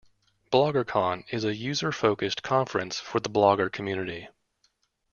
BloggerCon is a user-focused conference for the blogger community.